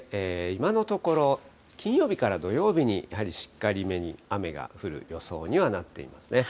今のところ、金曜日から土曜日にやはりしっかりめに雨が降る予想にはなっていますね。